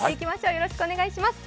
よろしくお願いします。